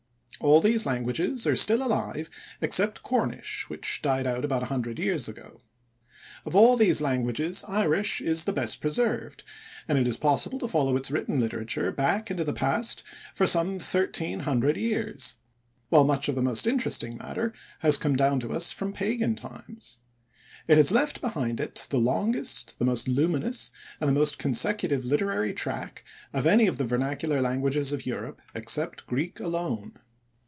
All these languages are still alive except Cornish, which died out about a hundred years ago. Of all these languages Irish is the best preserved, and it is possible to follow its written literature back into the past for some thirteen hundred years; while much of the most interesting matter has come down to us from pagan times. It has left behind it the longest, the most luminous, and the most consecutive literary track of any of the vernacular languages of Europe, except Greek alone.